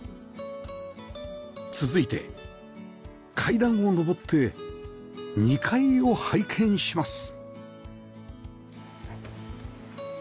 続いて階段を上って２階を拝見します